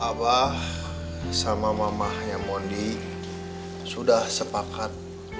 abah sama mamahnya mondi sudah sepakat